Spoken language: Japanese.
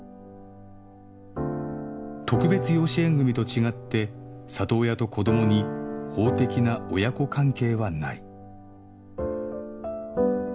特別養子縁組と違って里親と子どもに法的な親子関係はない